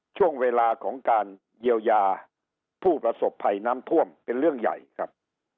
ช่วงเวลาของการเยียวยาผู้ประสบภัยน้ำท่วมเป็นเรื่องใหญ่ครับ